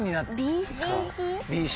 ＢＣ？